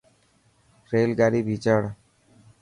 ريل گاڏي ڀيچاڙ.